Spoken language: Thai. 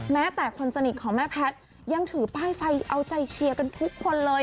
แม้แต่คนสนิทของแม่แพทย์ยังถือป้ายไฟเอาใจเชียร์กันทุกคนเลย